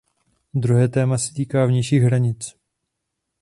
Druhé téma se týká vnějších hranic.